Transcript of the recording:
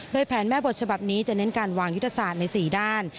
โดยแผนแม่บทฉบับนี้จะเน้นการวางยุทธศาสตร์ใน๔ด้าน